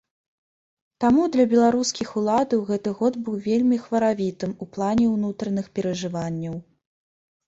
Таму для беларускіх уладаў гэты год быў вельмі хваравітым у плане ўнутраных перажыванняў.